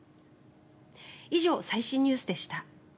以上、最新ニュースでした。